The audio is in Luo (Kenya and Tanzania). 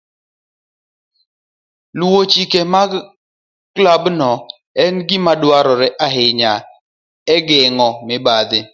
Luwo chike mag klabno en gima dwarore ahinya e geng'o mibadhi.